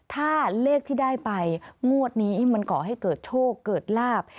ถ้าเลขที่ได้ไปงวดนี้มันก่อให้เกิดโชคเกิดลาบ